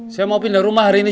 saya mau pindah rumah hari ini